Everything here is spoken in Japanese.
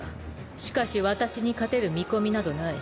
しかし私に勝てる見込みなどない。